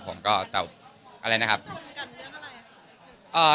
คุยกันกันเรียกอะไร